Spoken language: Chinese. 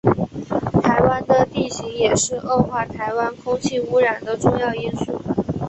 台湾的地形也是恶化台湾空气污染的重要因素。